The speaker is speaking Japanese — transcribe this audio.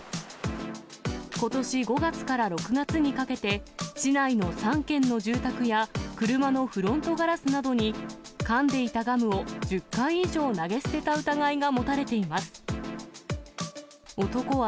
ことし５月から６月にかけて、市内の３軒の住宅や車のフロントガラスなどにかんでいたガムを１０回以上投げ捨てた疑いが持たれています。